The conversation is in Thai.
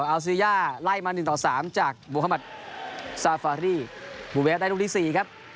อัลซีเรียไล่มา๑๓จากบุภาหมัดซาฟารี่บูเวฟได้รุ่งที่๔ครับ